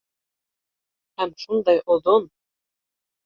Һәм шундай оҙон!